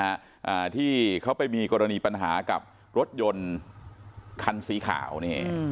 อ่าที่เขาไปมีกรณีปัญหากับรถยนต์คันสีขาวนี่อืม